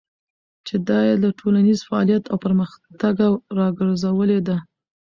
چې دا يې له ټولنيز فعاليت او پرمختګه راګرځولې ده.